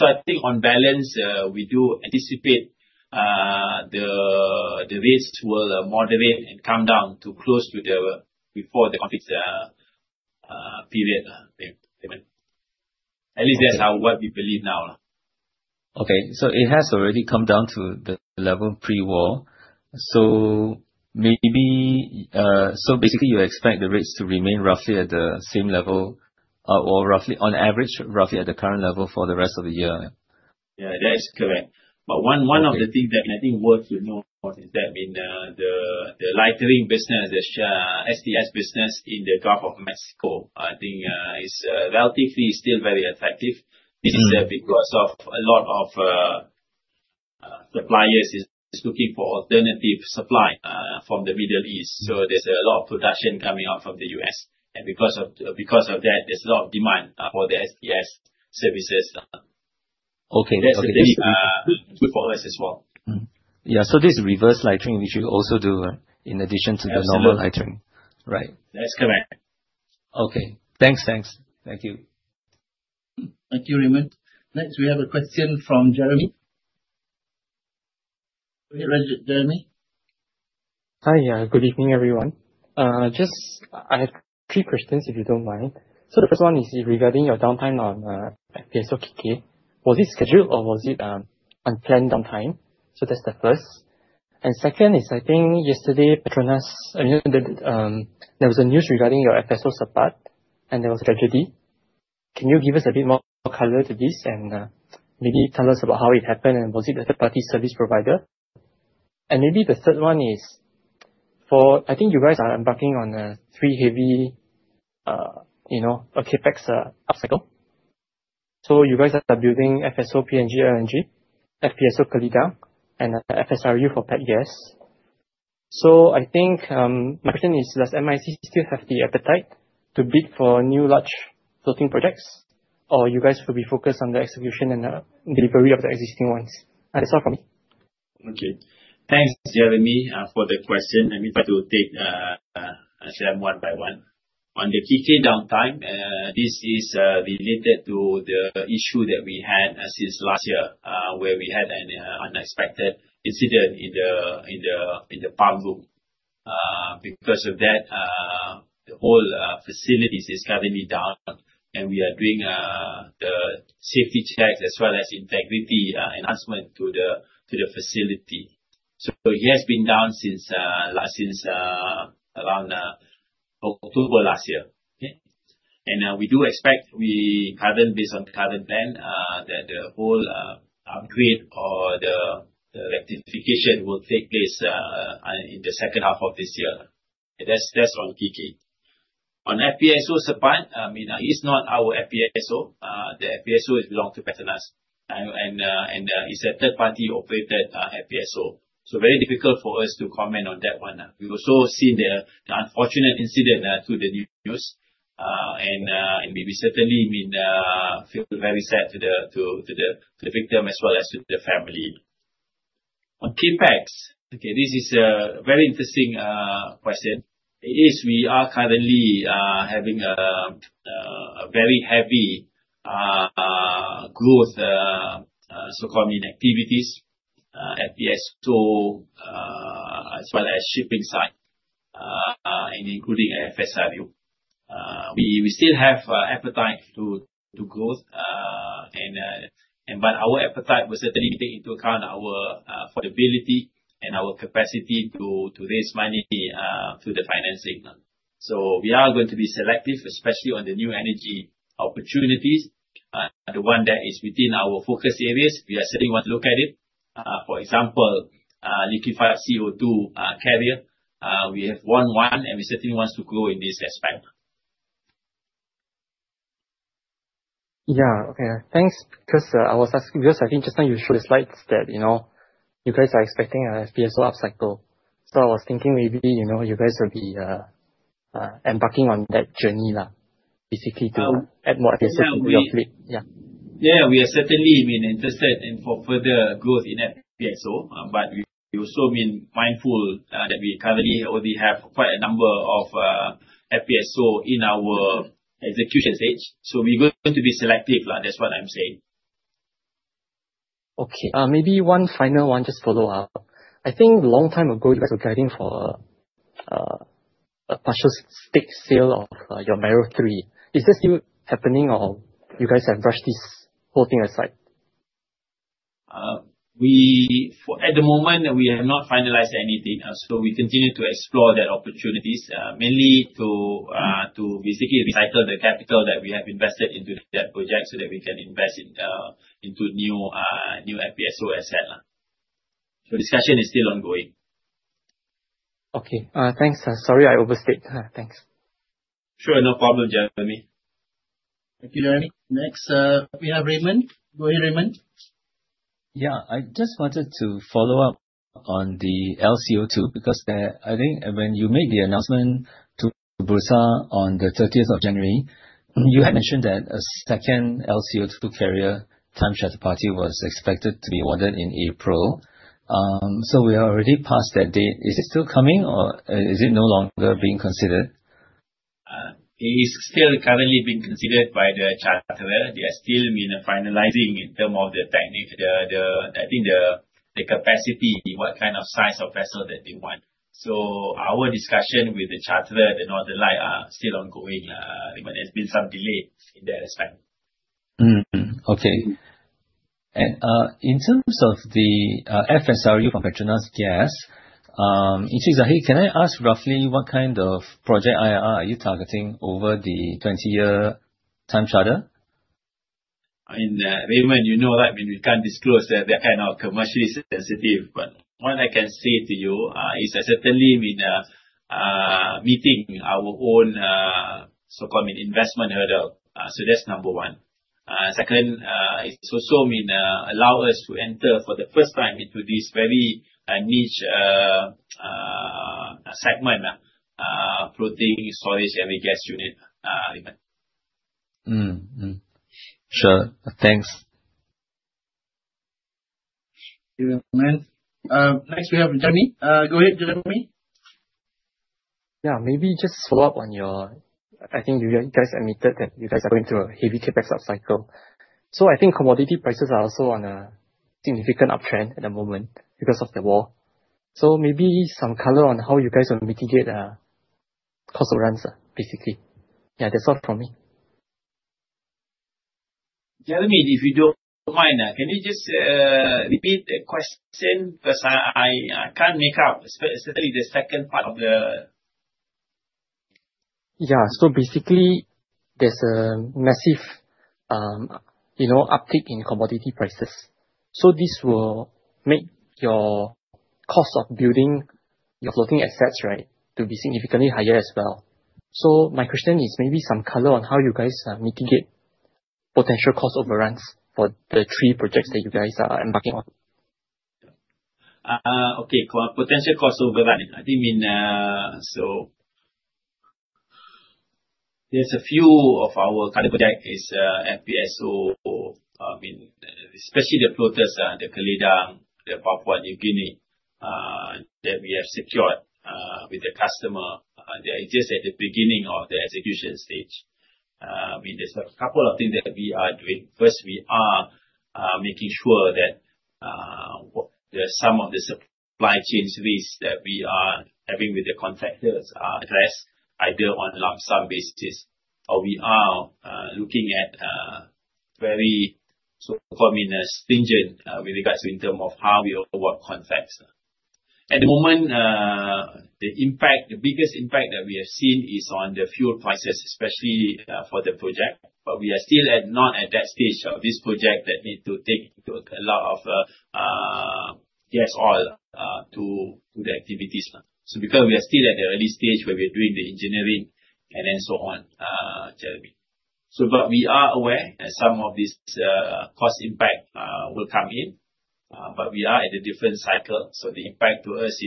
I think on balance, we do anticipate the rates will moderate and come down to close to before the conflict period, Raymond. At least that's what we believe now. Okay. It has already come down to the level pre-war. Basically you expect the rates to remain roughly at the same level or on average, roughly at the current level for the rest of the year? Yeah, that is correct. One of the things that I think worth to note is that the lightering business, the STS business in the Gulf of Mexico, I think is relatively still very attractive. This is because of a lot of suppliers is looking for alternative supply from the Middle East. There's a lot of production coming out from the U.S., and because of that, there's a lot of demand for the STS services. Okay. That's good for us as well. Yeah. This reverse lightering, which you also do in addition to the normal lightering. That's correct. Okay. Thanks. Thank you. Thank you, Raymond. Next, we have a question from Jeremy. Go ahead, Jeremy. Hi. Good evening, everyone. Just I have three questions, if you don't mind. The first one is regarding your downtime on FPSO KK. Was it scheduled or was it unplanned downtime? That's the first. Second is, I think yesterday, there was a news regarding your FPSO Sepat, and there was a tragedy. Can you give us a bit more color to this, and maybe tell us about how it happened, and was it a third-party service provider? Maybe the third one is for, I think you guys are embarking on a three heavy CapEx upcycle. You guys are building FPSO PNG LNG, FPSO Kalita, and FSRU for PETGAS. I think my question is, does MISC still have the appetite to bid for new large floating projects, or you guys will be focused on the execution and the delivery of the existing ones? That's all from me. Okay. Thanks, Jeremy, for the question. Let me try to take them one by one. On the KK downtime, this is related to the issue that we had since last year where we had an unexpected incident in the pump room. Because of that, the whole facilities is currently down, and we are doing the safety checks as well as integrity enhancement to the facility. It has been down since around October last year. Okay. We do expect based on the current plan, that the whole upgrade or the rectification will take place in the second half of this year. That's on KK. On FPSO Sepat, it's not our FPSO. The FPSO is belong to PETRONAS, and it's a third-party operated FPSO, very difficult for us to comment on that one. We've also seen the unfortunate incident through the news. We certainly feel very sad to the victim as well as to the family. On CapEx. Okay, this is a very interesting question. Yes, we are currently having a very heavy growth, so-called activities, FPSO as well as shipping side, and including FSRU. We still have appetite to growth, but our appetite will certainly take into account our affordability and our capacity to raise money through the financing. We are going to be selective, especially on the new energy opportunities. The one that is within our focus areas, we are certainly want to look at it. For example, liquefied CO2 carrier. We have one and we certainly want to grow in this aspect. Yeah. Okay. Thanks. I think just now you showed the slides that you guys are expecting a FPSO upcycle. I was thinking maybe you guys will be embarking on that journey, basically to add more FPSO to your fleet. Yeah. Yeah, we are certainly interested for further growth in FPSO, but we're also being mindful that we currently already have quite a number of FPSO in our execution stage. We are going to be selective. That's what I'm saying. Okay. Maybe one final one, just follow up. I think long time ago, you guys were guiding for a partial stake sale of your Mero 3. Is this still happening, or you guys have brushed this whole thing aside? At the moment, we have not finalized anything. We continue to explore that opportunities, mainly to basically recycle the capital that we have invested into that project so that we can invest it into new FPSO asset. Discussion is still ongoing. Okay. Thanks. Sorry, I overstayed. Thanks. Sure. No problem, Jeremy. Thank you, Jeremy. Next, we have Raymond. Go ahead, Raymond. Yeah. I just wanted to follow up on the LCO2 because I think when you made the announcement to Bursa on the 30th of January, you had mentioned that a second LCO2 carrier time charter party was expected to be awarded in April. We are already past that date. Is it still coming or is it no longer being considered? It is still currently being considered by the charterer. They are still finalizing in terms of the, I think the capacity, what kind of size of vessel that they want. Our discussion with the charterer and all the like are still ongoing. There's been some delays in that aspect. Mm. Okay. In terms of the FSRU from PETRONAS Gas, Encik Zahid, can I ask roughly what kind of project IRR are you targeting over the 20-year time charter? Raymond, you know that we can't disclose that. That kind of commercially sensitive. What I can say to you is certainly, meeting our own so-called investment hurdle. That's number one. Second, it also allow us to enter for the first time into this very niche segment, Floating Storage Unit Gas. Sure. Thanks. Thank you, Raymond. Next we have Jeremy. Go ahead, Jeremy. Maybe just follow up on your I think you guys admitted that you guys are going through a heavy CapEx upcycle. I think commodity prices are also on a significant uptrend at the moment because of the war. Maybe some color on how you guys will mitigate cost overruns, basically. That's all from me. Jeremy, if you don't mind, can you just repeat the question because I can't make out certainly the second part of. Basically, there's a massive uptick in commodity prices. This will make your cost of building your floating assets, right, to be significantly higher as well. My question is maybe some color on how you guys mitigate potential cost overruns for the three projects that you guys are embarking on. Okay. For potential cost overrun. There's a few of our contract is FPSO, especially the floaters, the Kalita, the Papua New Guinea, that we have secured with the customer. They are just at the beginning of the execution stage. There's a couple of things that we are doing. First, we are making sure that some of the supply chains risk that we are having with the contractors are addressed either on lump sum basis, or we are looking at. Very so-called stringent with regards to in terms of how we avoid contacts. At the moment, the biggest impact that we have seen is on the fuel prices, especially for that project. We are still not at that stage of this project that need to take a lot of gas oil to the activities. Because we are still at the early stage where we are doing the engineering and then so on, Jeremy. We are aware that some of this cost impact will come in. We are at a different cycle. The impact to us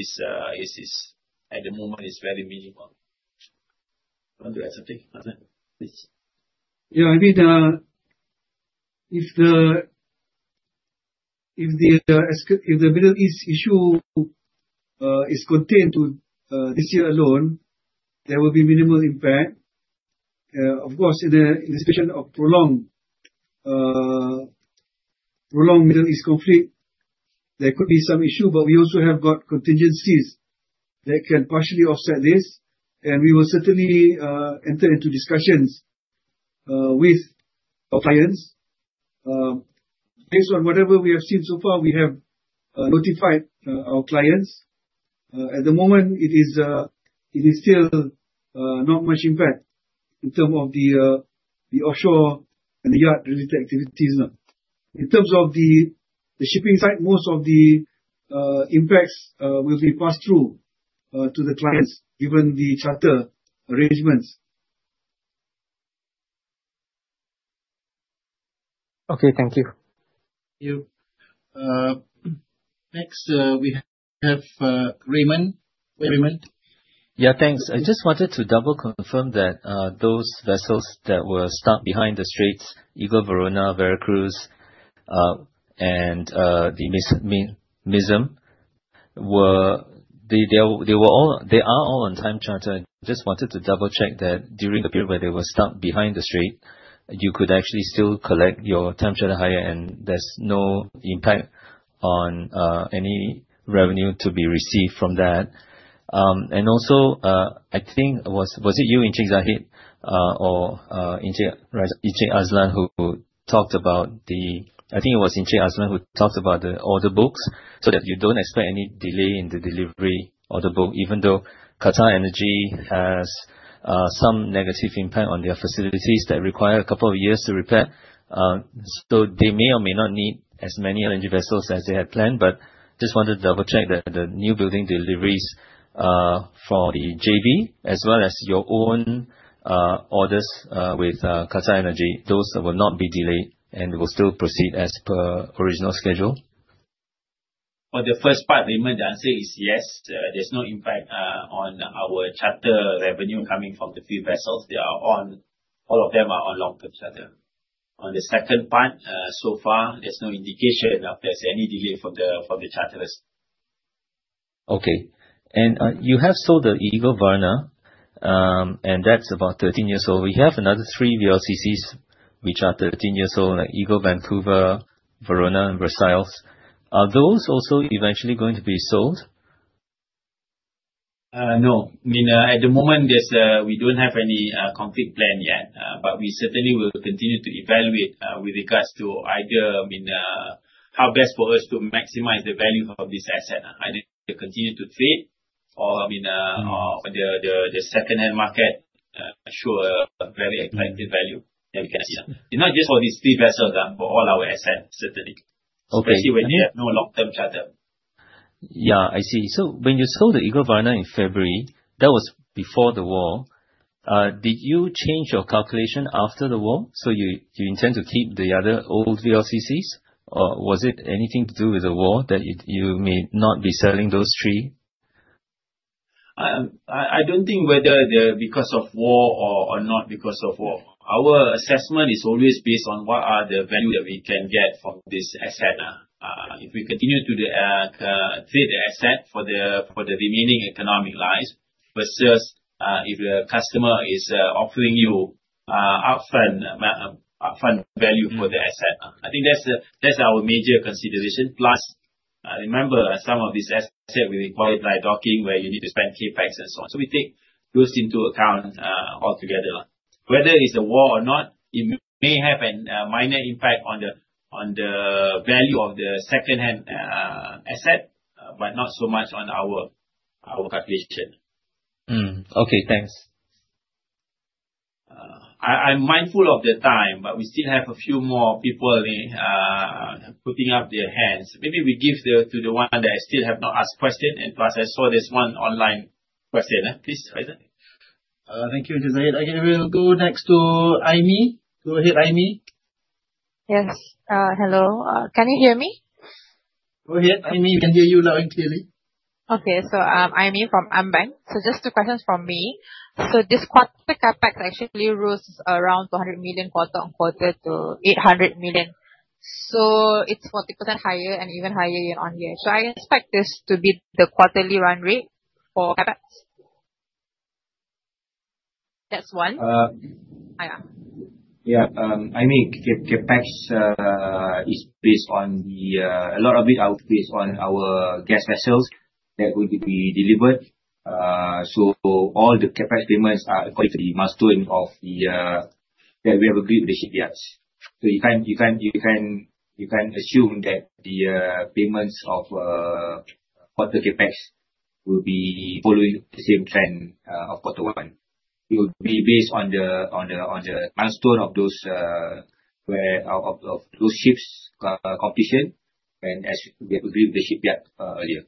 at the moment is very minimal. You want to add something, Azlan? Please. Yeah. If the Middle East issue is contained to this year alone, there will be minimal impact. Of course, in the situation of prolonged Middle East conflict, there could be some issue. We also have got contingencies that can partially offset this, and we will certainly enter into discussions with our clients. Based on whatever we have seen so far, we have notified our clients. At the moment it is still not much impact in terms of the offshore and the yard-related activities. In terms of the shipping side, most of the impacts will be passed through to the clients, given the charter arrangements. Okay. Thank you. Thank you. Next, we have Raymond. Raymond? Thanks. I just wanted to double confirm that those vessels that were stuck behind the Straits, Eagle Verona, Veracruz, and the Mism. They are all on time charter. Just wanted to double check that during the period where they were stuck behind the Straits, you could actually still collect your time charter hire and there's no impact on any revenue to be received from that. Also, I think, was it you, Eng Zahid, or Eng Azlan, who talked about the I think it was Eng Azlan who talked about the order books, that you don't expect any delay in the delivery order book, even though QatarEnergy has some negative impact on their facilities that require a couple of years to repair. They may or may not need as many energy vessels as they had planned. Just wanted to double check that the new building deliveries for the JV as well as your own orders with QatarEnergy, those will not be delayed and will still proceed as per original schedule. For the first part, Raymond, the answer is yes. There is no impact on our charter revenue coming from the few vessels. All of them are on long-term charter. On the second part, so far there is no indication of there is any delay from the charters. Okay. You have sold the Eagle Verona, and that is about 13 years old. We have another three VLCCs which are 13 years old, like Eagle Vancouver, Verona, and Versailles. Are those also eventually going to be sold? No. At the moment we do not have any complete plan yet. We certainly will continue to evaluate with regards to how best for us to maximize the value of this asset, either to continue to trade or the secondhand market show a very attractive value that we can see. Not just for these three vessels, for all our assets, certainly. Okay. Especially when they have no long-term charter. I see. When you sold the Eagle Varna in February, that was before the war. Did you change your calculation after the war, so you intend to keep the other old VLCCs? Or was it anything to do with the war that you may not be selling those three? I don't think whether they are because of war or not because of war. Our assessment is always based on what are the value that we can get from this asset. If we continue to treat the asset for the remaining economic life versus if your customer is offering you upfront value for the asset. I think that's our major consideration. Remember, some of these assets will require dry docking where you need to spend CapEx and so on. We take those into account altogether. Whether it is a war or not, it may have a minor impact on the value of the secondhand asset, but not so much on our calculation. Okay, thanks. I'm mindful of the time, we still have a few more people putting up their hands. Maybe we give to the one that still have not asked question, plus I saw there's one online question. Please, Azlan. Thank you, Eng Zahid. We'll go next to Aimi. Go ahead, Aimi. Yes. Hello, can you hear me? Go ahead, Aimi. We can hear you loud and clearly. Aimi from AmBank. Just two questions from me. This quarter CapEx actually rose around 200 million quarter-on-quarter to 800 million. It's 40% higher and even higher year-on-year. I expect this to be the quarterly run rate for CapEx. That's one. Yeah. Aimi, CapEx, a lot of it is based on our gas vessels. That will be delivered. All the CapEx payments are according to the milestone that we have agreed with the shipyards. You can assume that the payments of quarter CapEx will be following the same trend of quarter one. It will be based on the milestone of those ships completion and as we agreed with the shipyard earlier.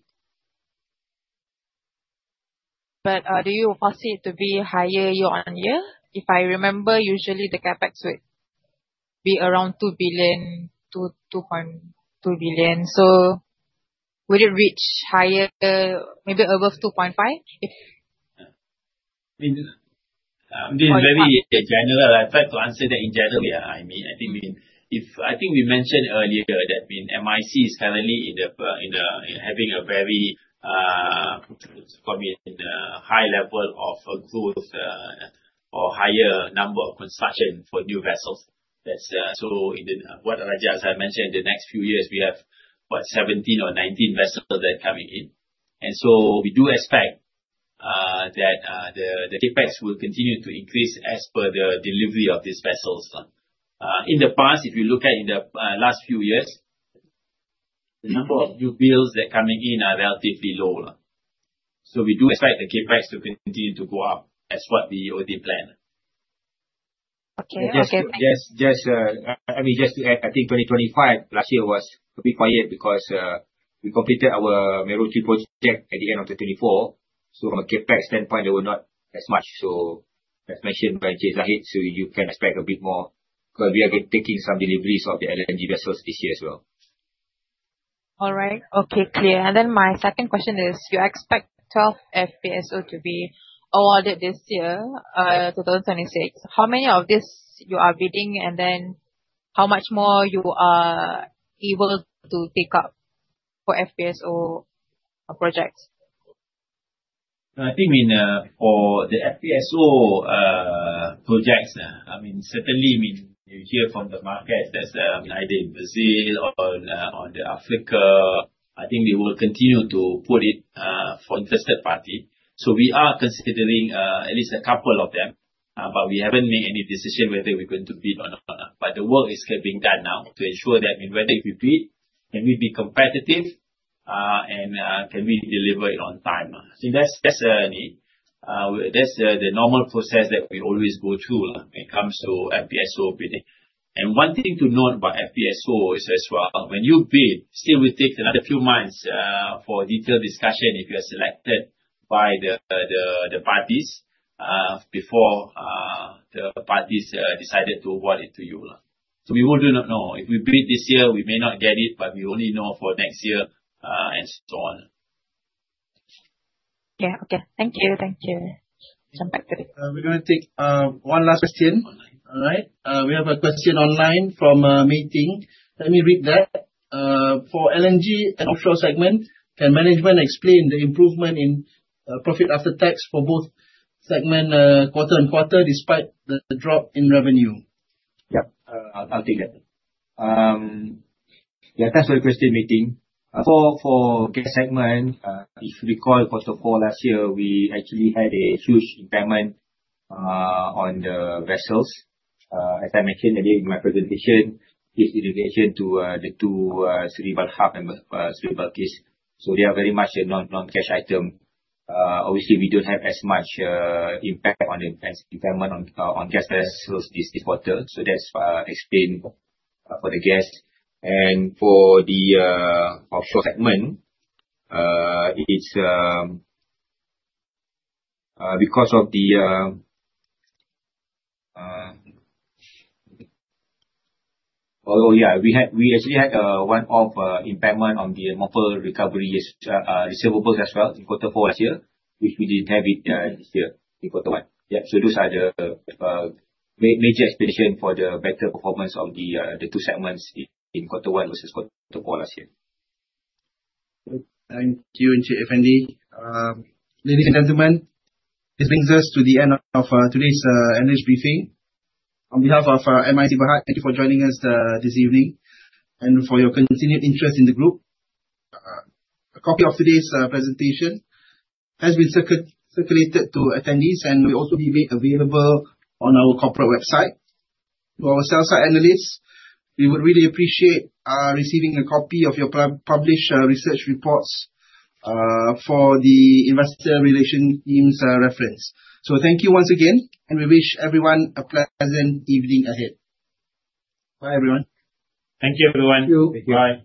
Do you foresee it to be higher year-on-year? If I remember, usually the CapEx would be around MYR 2 billion. Will it reach higher, maybe above 2.5 billion? Very general. I'll try to answer that in general. I think we mentioned earlier that MISC is currently having a very high level of growth or higher number of construction for new vessels. As I mentioned, in the next few years, we have 17 or 19 vessels that are coming in. We do expect that the CapEx will continue to increase as per the delivery of these vessels. In the past, if you look at in the last few years, the number of new builds that are coming in are relatively low. We do expect the CapEx to continue to go up as what we already planned. Okay. Just to add, I think 2025 last year was a bit quiet because we completed our Merauke project at the end of 2024. From a CapEx standpoint, they were not as much. As mentioned by Zahid, you can expect a bit more because we are taking some deliveries of the LNG vessels this year as well. My second question is, you expect 12 FPSO to be awarded this year, 2026. How many of this you are bidding how much more you are able to take up for FPSO projects? I think for the FPSO projects, certainly, you hear from the market that either in Brazil or in Africa, I think they will continue to put it for interested party. We are considering at least a couple of them, we haven't made any decision whether we're going to bid or not. The work is being done now to ensure that whether if we bid, can we be competitive and can we deliver it on time. That's the normal process that we always go through when it comes to FPSO bidding. One thing to note about FPSO is as well, when you bid, still will take another few months for detailed discussion if you are selected by the parties before the parties decided to award it to you. We would do not know. If we bid this year, we may not get it, we only know for next year. Yeah. Okay. Thank you. We're going to take one last question online. All right. We have a question online from Meeting. Let me read that. For LNG and offshore segment, can management explain the improvement in profit after tax for both segment quarter and quarter despite the drop in revenue? Yeah. I'll take that. Thanks for the question, Meeting. For gas segment, if you recall, for Q4 last year, we actually had a huge impairment on the vessels. As I mentioned earlier in my presentation, this is in relation to the two Seri Balhaf and Seri Balqis. They are very much a non-cash item. Obviously, we don't have as much impact as impairment on gas vessels this quarter. That's explain for the gas. For the offshore segment, we actually had a one-off impairment on the mobile recovery receivables as well in quarter four last year, which we didn't have it this year in quarter one. Yeah. Those are the major explanation for the better performance of the two segments in quarter one versus quarter four last year. Thank you, Afendy. Ladies and gentlemen, this brings us to the end of today's earnings briefing. On behalf of MISC Berhad, thank you for joining us this evening and for your continued interest in the group. A copy of today's presentation has been circulated to attendees, and will also be made available on our corporate website. For our sell-side analysts, we would really appreciate receiving a copy of your published research reports for the Investor Relations Team's reference. Thank you once again, and we wish everyone a pleasant evening ahead. Bye, everyone. Thank you, everyone. Thank you. Bye.